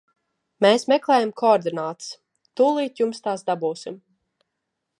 Mēs meklējam koordinātas, tūlīt jums tās dabūsim.